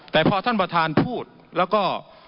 แต่พอท่านประธานพูดแล้วก็